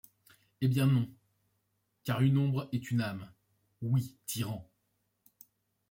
Eh bien non. Car une ombre est une âme. Oui, tyrans